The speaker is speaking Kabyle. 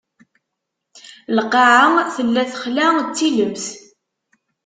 Lqaɛa tella texla, d tilemt.